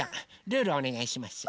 ルールおねがいします。